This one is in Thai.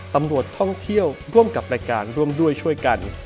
ตำรวจท่องเที่ยวร่วมกับรายการร่วมด้วยช่วยกัน